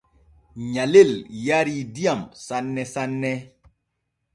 Nyalel yarii diyam sanne sanne.